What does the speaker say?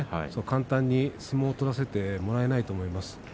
簡単に相撲を取らせてもらえないと思います。